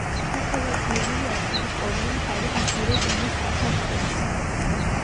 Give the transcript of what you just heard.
ნახევარწრიული აფსიდის ორივე მხარეს მცირე ზომის სათავსებია.